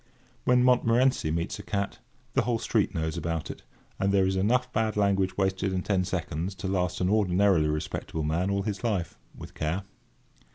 When Montmorency meets a cat, the whole street knows about it; and there is enough bad language wasted in ten seconds to last an ordinarily respectable man all his life, with care.